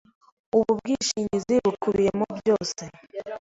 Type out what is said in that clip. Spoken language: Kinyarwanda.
Ubu bwishingizi bukubiyemo byose.